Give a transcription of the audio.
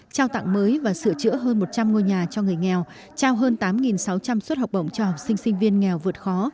trao tặng mới và sửa chữa hơn một trăm linh ngôi nhà cho người nghèo trao hơn tám sáu trăm linh suất học bổng cho học sinh sinh viên nghèo vượt khó